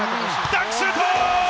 ダンクシュート！